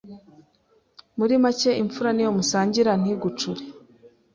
Muri make, imfura ni iyo musangira ntigucure,